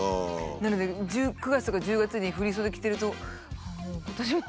なので９月とか１０月に振り袖着てると「ああもう今年も」。